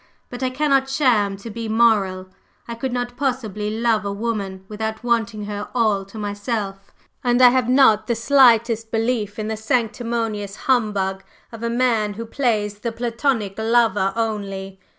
But I cannot sham to be moral. I could not possibly love a woman without wanting her all to myself, and I have not the slightest belief in the sanctimonious humbug of a man who plays the Platonic lover only.